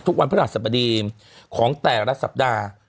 ทุกวันพระรหัสสับดีของแต่ละสัปดาห์